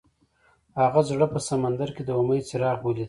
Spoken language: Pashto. هغه د زړه په سمندر کې د امید څراغ ولید.